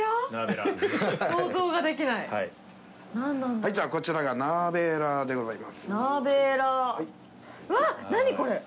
はいこちらがナーベラーでございます。